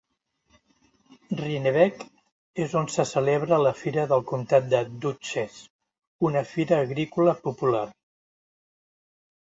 Rhinebeck és on se celebra la fira del comtat de Dutchess, una fira agrícola popular.